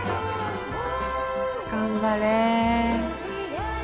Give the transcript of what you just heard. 頑張れ！